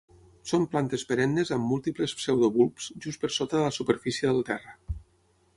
Són plantes perennes amb múltiples "pseudobulbs" just per sota de la superfície del terra.